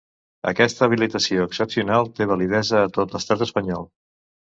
Aquesta habilitació excepcional té validesa a tot l'Estat espanyol.